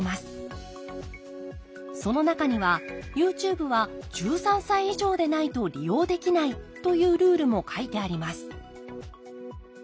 その中にはＹｏｕＴｕｂｅは１３歳以上でないと利用できないというルールも書いてあります